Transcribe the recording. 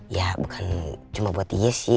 ya bukan cuma buat dia sih